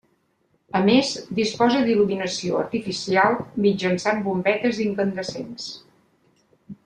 A més, disposa d'il·luminació artificial mitjançant bombetes incandescents.